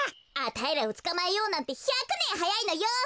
あたいらをつかまえようなんて１００ねんはやいのよ！